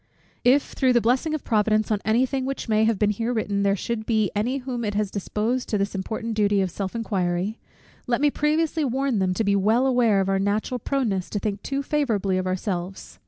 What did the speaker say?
If through the blessing of Providence on any thing which may have been here written, there should be any whom it has disposed to this important duty of self inquiry; let me previously warn them to be well aware of our natural proneness to think too favourably of ourselves.